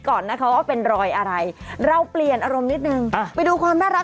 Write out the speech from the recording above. ก่อนนะคะว่าเป็นรอยอะไรเราเปลี่ยนอารมณ์นิดนึงไปดูความน่ารัก